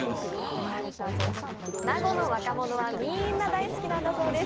名護の若者はみんな大好きなんだそうです。